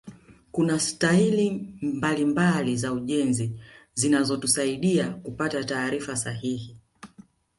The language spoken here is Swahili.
kuna staili mbalimbali za ujenzi zinazotusaaida kupata taarifa sahihi